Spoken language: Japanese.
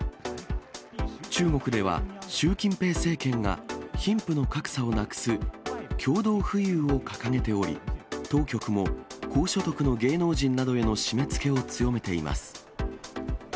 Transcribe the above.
中国では、習近平政権が貧富の格差をなくす共同富裕を掲げており、当局も高所得の芸能人などへの締めつけを強めています。